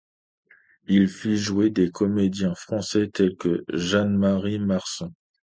Il fit jouer des comédiens français tel que Jeanne-Marie Marsan.